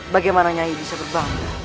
bagaimana nyai bisa berbangga